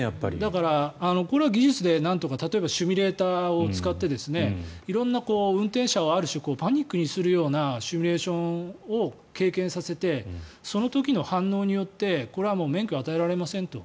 だからこれは技術でなんとか例えばシミュレーターを使って色んな運転者をある種、パニックにするようなシミュレーションを経験させてその時の反応によってこれは免許を与えられませんと。